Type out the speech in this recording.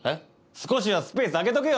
少しはスペース空けとけよ。